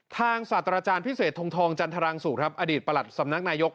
ศาสตราจารย์พิเศษทงทองจันทรังสุครับอดีตประหลัดสำนักนายก